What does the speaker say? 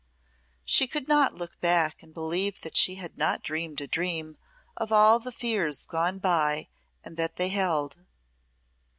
She could not look back and believe that she had not dreamed a dream of all the fears gone by and that they held.